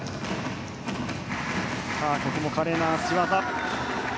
ここも華麗な脚技。